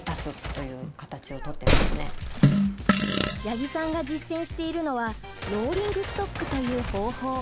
八木さんが実践しているのはローリングストックという方法。